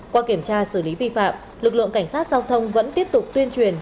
qua kiểm tra xử lý vi phạm lực lượng cảnh sát giao thông vẫn tiếp tục tuyên truyền